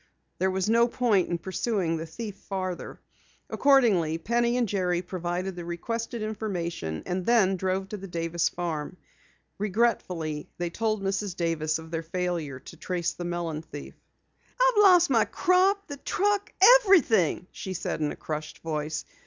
There was no point in pursuing the thief farther. Accordingly, Penny and Jerry provided the requested information, and then drove to the Davis farm. Regretfully, they told Mrs. Davis of their failure to trace the melon thief. "I've lost my crop, the truck everything," she said in a crushed voice.